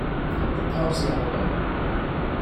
The Party Album!